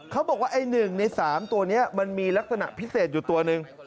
เขาบอกว่าไอ้๑ใน๓ตัวนี้มันมีลักษณะพิเศษอยู่ตัวหนึ่ง